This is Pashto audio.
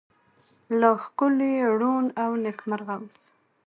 لا ښکلې، ړون، او نکيمرغه اوسه👏